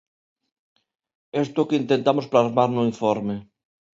Isto é o que tentamos plasmar no informe.